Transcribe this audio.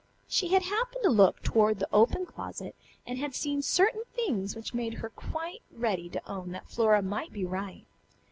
She had happened to look toward the open closet and had seen certain things which made her quite ready to own that Flora might be right.